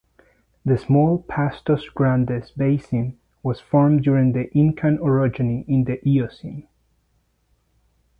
The small Pastos Grandes Basin was formed during the Incan orogeny in the Eocene.